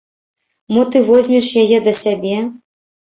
Мо ты возьмеш яе да сябе?